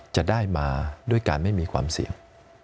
จะได้มาด้วยการไม่มีความเสี่ยง